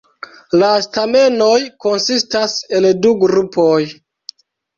La stamenoj konsistas el du grupoj.